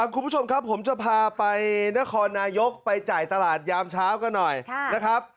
คุณผู้ชมครับผมจะพาไปนครนายกไปจ่ายตลาดยามเช้ากันหน่อยนะครับ